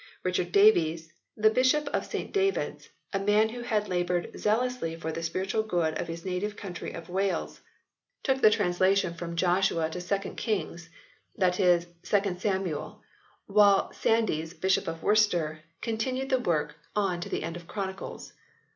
Richard Davies, the Bishop of St David s, a man who had laboured zealously for the spiritual good of his native country of Wales, took 86 HISTORY OF THE ENGLISH BIBLE [CH. the translation from Joshua to 2 Kings, that is, 2 Samuel, while Sandys, Bishop of Worcester, continued the work on to the end of Chronicles.